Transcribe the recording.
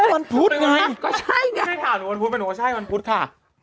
วันพุธไงไม่ถามวันพุธมาหนูว่าใช่วันพุธค่ะ